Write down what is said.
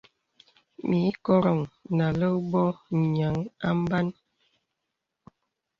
Mì ìkòrōŋ nà àlə̀k bô nīaŋ à mbānə.